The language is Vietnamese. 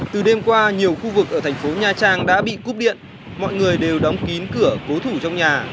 từ đêm qua nhiều khu vực ở thành phố nha trang đã bị cúp điện mọi người đều đóng kín cửa cố thủ trong nhà